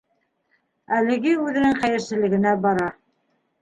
Әлеге үҙенең хәйерселегенә бара.